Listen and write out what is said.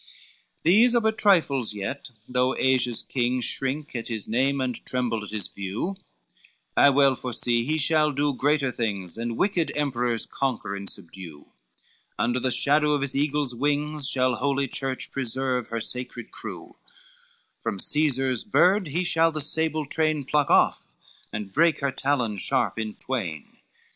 LXXV "These are but trifles yet, though Asia's kings Shrink at his name, and tremble at his view, I well foresee he shall do greater things, And wicked emperors conquer and subdue; Under the shadow of his eagle's wings Shall holy Church preserve her sacred crew, From Caesar's bird he shall the sable train Pluck off, and break her talons sharp in twain.